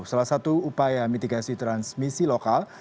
salah satu upaya mitigasi transmisi lokal